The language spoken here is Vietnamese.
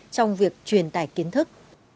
trong việc truyền tải kiến thức